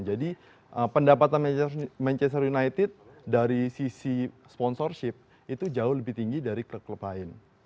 jadi pendapatan manchester united dari sisi sponsorship itu jauh lebih tinggi dari klub klub lain